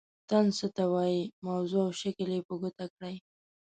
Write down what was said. طنز څه ته وايي موضوع او شکل یې په ګوته کړئ.